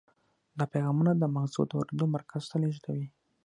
دا پیغامونه د مغزو د اورېدلو مرکز ته لیږدوي.